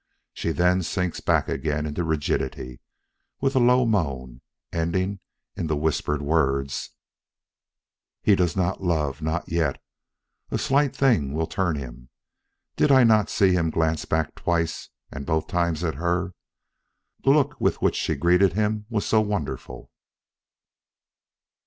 She then sinks back again into rigidity, with a low moan, ending in the whispered words: "He does not love, not yet. A slight thing will turn him. Did I not see him glance back twice, and both times at her? The look with which she greeted him was so wonderful."